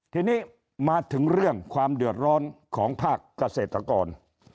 ทีนี้มาถึงเรื่องความเดือดร้อนของภาคเกษตรกร